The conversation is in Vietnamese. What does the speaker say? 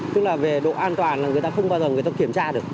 tức là về độ an toàn là người ta không bao giờ người ta kiểm tra được